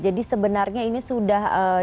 jadi sebenarnya ini sudah ditaati begitu ya